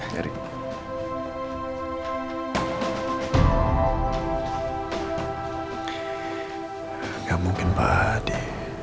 gak mungkin pak adi